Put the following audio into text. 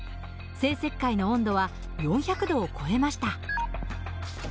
生石灰の温度は４００度を超えました。